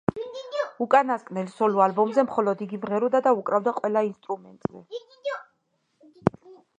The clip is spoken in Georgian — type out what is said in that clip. უკანასკნელ სოლო ალბომზე მხოლოდ იგი მღეროდა და უკრავდა ყველა ინსტრუმენტზე.